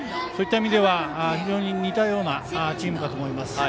そういった意味では非常に似たようなチームだと思います。